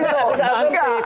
oh enggak enggak